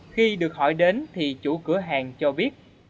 khi được hỏi đến thì chủ cửa hàng cho biết